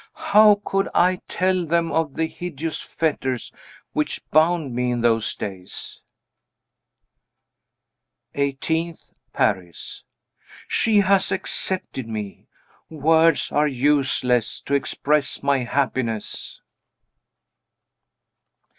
How could I tell them of the hideous fetters which bound me in those days? 18th, Paris. She has accepted me! Words are useless to express my happiness.